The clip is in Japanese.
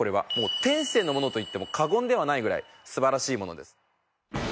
天性のものと言っても過言ではないぐらい素晴らしいものです。